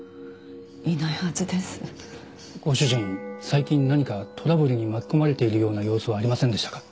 最近何かトラブルに巻き込まれているような様子はありませんでしたか？